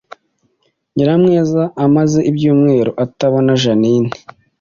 Nyamwiza amaze ibyumweru atabona Jeaninne